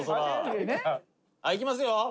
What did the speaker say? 「はいいきますよ」